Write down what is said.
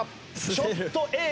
ちょっとＡぇ！